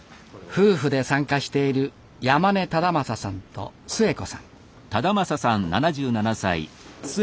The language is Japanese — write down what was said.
夫婦で参加している山根忠正さんとすゑ子さん。